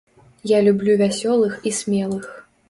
Я люблю вясёлых і смелых.